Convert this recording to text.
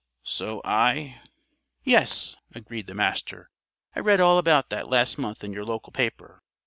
So I " "Yes," agreed the Master. "I read all about that last month in your local paper.